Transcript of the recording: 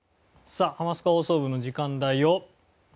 さあ『ハマスカ放送部』の時間だよ。